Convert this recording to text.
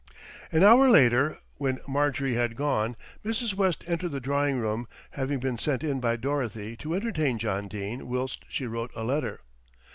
An hour later, when Marjorie had gone, Mrs. West entered the drawing room, having been sent in by Dorothy to entertain John Dene whilst she wrote a letter.